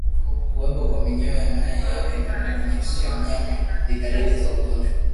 Kuwepo kwa minyoo na mayai yake katika kinyesi cha mnyama ni dalili za ugonjwa